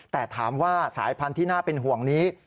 แต่ถามว่าสายพันธุ์ที่น่าเป็นห่วงนี้